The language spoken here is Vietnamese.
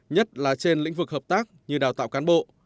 nhất là trên lĩnh vực hợp tác như đào tạo cán bộ